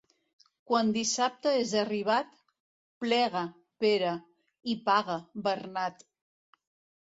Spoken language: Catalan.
Quan dissabte és arribat, plega, Pere, i paga, Bernat.